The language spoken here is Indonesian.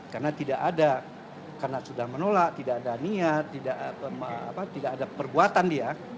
karena tidak ada karena sudah menolak tidak ada niat tidak ada perbuatan dia